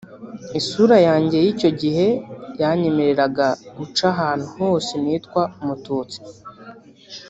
isura yanjye y’icyo gihe yanyemereraga guca ahantu hose nitwa umututsi